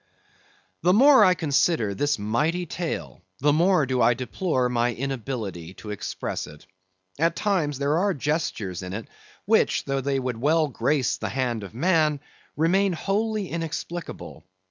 The more I consider this mighty tail, the more do I deplore my inability to express it. At times there are gestures in it, which, though they would well grace the hand of man, remain wholly inexplicable.